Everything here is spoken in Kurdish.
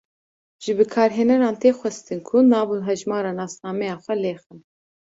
Ji bikarhêneran tê xwestin ku nav û hejmara nasnameya xwe lêxin.